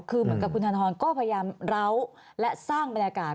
คือเหมือนกับคุณธนทรก็พยายามเล้าและสร้างบรรยากาศ